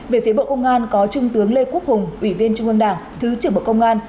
về phía bộ công an có trung tướng lê quốc hùng ủy viên trung ương đảng thứ trưởng bộ công an